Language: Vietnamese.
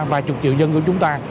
vài chục triệu dân của chúng ta